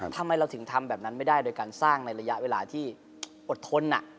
ทำไมเราถึงทำแบบนั้นไม่ได้โดยการสร้างในระยะเวลาที่อดทน